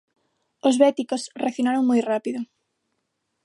Os béticos reaccionaron moi rápido.